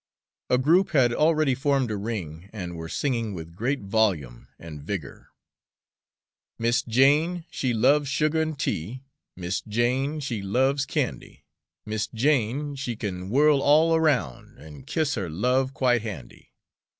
A group had already formed a ring, and were singing with great volume and vigor: "Miss Jane, she loves sugar an' tea, Miss Jane, she loves candy. Miss Jane, she can whirl all around An' kiss her love quite handy.